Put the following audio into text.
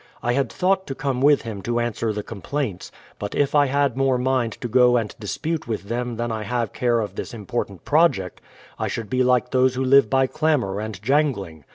I had thought to come with him to answer the complaints ; but if I had more mind to go and dis pute with them than I have care of this important project, I should be like those who live by clamour and jangling.